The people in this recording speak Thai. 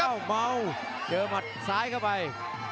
อ้าวเบาเจอหมัดสายเข้าไป